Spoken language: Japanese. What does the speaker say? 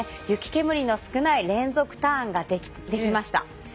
雪煙の少ない連続ターンができました。